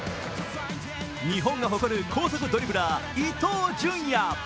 日本が誇る光速ドリブラー・伊東純也。